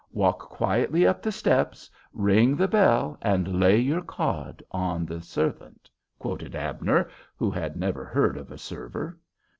"''Walk quietly up the steps; ring the bell and lay your card on the servant,'" quoted Abner, who had never heard of a server.